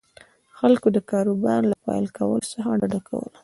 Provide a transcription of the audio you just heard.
خلکو د کاروبار له پیل کولو څخه ډډه کوله.